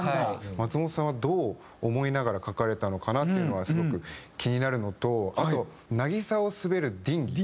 松本さんはどう思いながら書かれたのかなっていうのがすごく気になるのとあと「渚を滑るディンギー」。